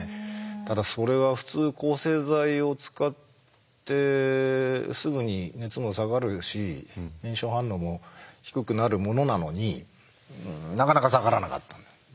ただそれは普通抗生剤を使ってすぐに熱も下がるし炎症反応も低くなるものなのになかなか下がらなかった。